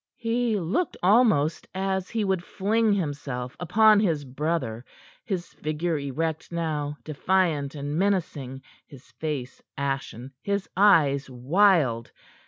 He looked almost as he would fling himself upon his brother, his figure erect now, defiant and menacing; his face ashen, his eyes wild.